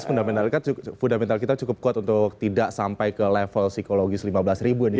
fundamental fundamental kita cukup kuat untuk tidak sampai ke level psikologis lima belas ribu ini